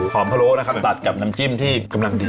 พะโล้นะครับตัดกับน้ำจิ้มที่กำลังดี